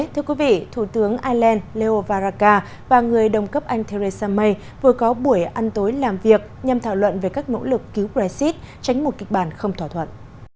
thưa quý vị thủ tướng ireland leo varaka và người đồng cấp anh theresa may vừa có buổi ăn tối làm việc nhằm thảo luận về các nỗ lực cứu brexit tránh một kịch bản không thỏa thuận